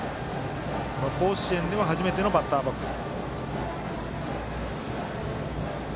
甲子園では初めてのバッターボックス。